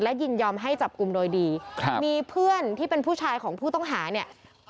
ยินยอมให้จับกลุ่มโดยดีครับมีเพื่อนที่เป็นผู้ชายของผู้ต้องหาเนี่ย